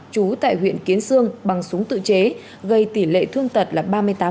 trú tại huyện kiến sương bằng súng tự chế gây tỷ lệ thương tật là ba mươi tám